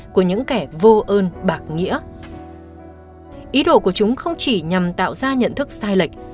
của những kẻ vô ơn bạc nghĩa ý đồ của chúng không chỉ nhằm tạo ra nhận thức sai lệch